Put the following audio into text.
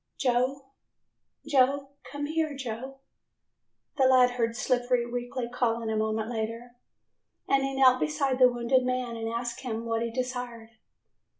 "Joe, Joe, come here, Joe," the lad heard Slippery weakly calling a moment later, and he knelt beside the wounded man and asked him what he desired.